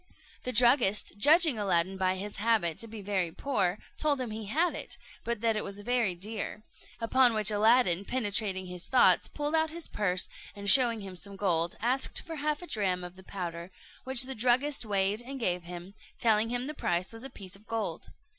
The druggist, judging Aladdin by his habit to be very poor, told him he had it, but that it was very dear; upon which Aladdin, penetrating his thoughts, pulled out his purse, and showing him some gold, asked for half a dram of the powder; which the druggist weighed and gave him, telling him the price was a piece of gold.